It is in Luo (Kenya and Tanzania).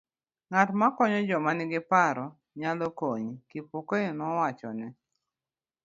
Ng'at makonyo joma ni gi paro nyalo konyi, Kipokeo nowachone, .